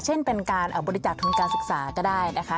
เช่นเป็นการบริจาคทุนการศึกษาก็ได้นะคะ